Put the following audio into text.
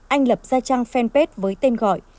anh lập ra trang fanpage với tên gọi